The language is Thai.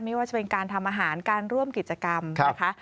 ไม่ว่าจะเป็นการทำอาหารการร่วมกิจกรรมนะคะ